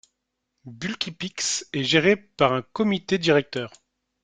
Bulkypix est gérée par un comité directeur.